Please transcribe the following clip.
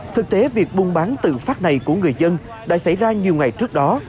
thực tế việc buôn bán tự phát này của người dân đã xảy ra nhiều ngày trước đó